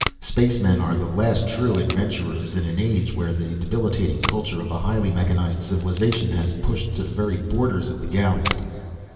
Spacemen are the last true adventurers in an age where the debilitating culture of a highly mechanized civilization has pushed to the very borders of the galaxy.